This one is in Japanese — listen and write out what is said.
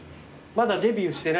まだデビューしてない。